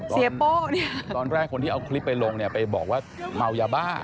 เซียโป้ตอนแรกคนที่เอาคลิปไปลงไปบอกว่าเมาอย่าบ้า